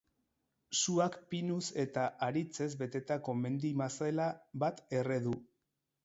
Suak pinuz eta aritzez betetako mendi-mazela bat erre du.